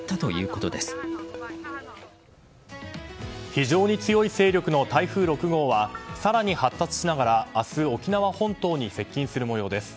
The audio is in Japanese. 非常に強い勢力の台風６号は更に発達しながら明日沖縄本島に接近する模様です。